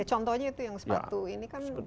contohnya itu yang sepatu ini kan